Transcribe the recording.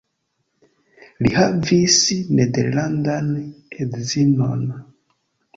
Li havis nederlandan edzinon.